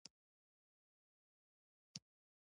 د مرحوم په مړینه یې د ژور خفګان څرګندونه کوله.